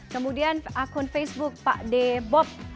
kemudian akun facebook pak d bop